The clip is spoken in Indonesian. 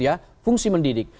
itu fungsi mendidik